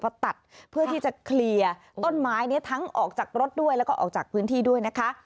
ก็ตัดเพื่อที่จะเคลียร์ต้นไม้นี้ทั้งออกจากรถด้วยแล้วก็ออกจากพื้นที่ด้วยนะคะ